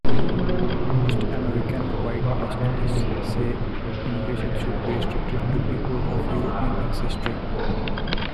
Most American white nationalists say immigration should be restricted to people of European ancestry.